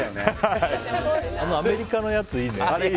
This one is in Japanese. アメリカのやついいね。